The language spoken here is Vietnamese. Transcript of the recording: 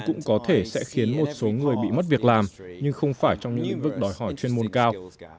cũng có thể sẽ khiến một số người bị mất việc làm nhưng không phải trong những lĩnh vực đòi hỏi chuyên môn cao